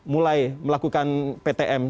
mulai melakukan ptm